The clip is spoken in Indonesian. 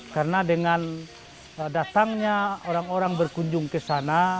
karena dengan datangnya orang orang berkunjung kesana